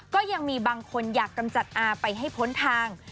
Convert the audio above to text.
ก็ยังมีบางคนอยากกำจัดอาไปให้พ้นทาง